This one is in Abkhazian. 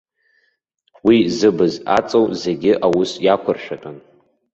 Уи зыбз аҵоу зегьы аус иақәыршәатәын.